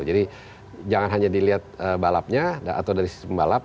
jadi jangan hanya dilihat balapnya atau dari sistem balap